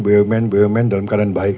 beliau main main dalam keadaan baik pak